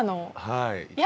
はい。